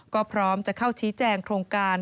ก็พร้อมจะเข้าชี้แจงโครงการ